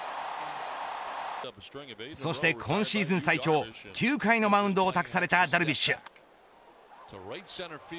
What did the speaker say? そして今シーズン最長９回のマウンドを託されたダルビッシュ。